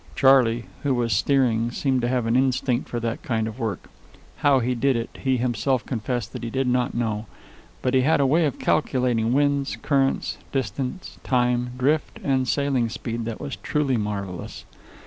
Charley, who was steering, seemed to have an instinct for that kind of work. How he did it, he himself confessed that he did not know; but he had a way of calculating winds, currents, distance, time, drift, and sailing speed that was truly marvellous.